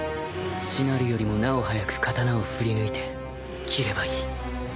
しなるよりもなお速く刀を振り抜いて斬ればいい